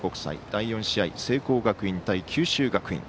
第４試合、聖光学院対九州学院。